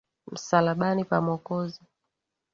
Msalabani pa Mwokozi.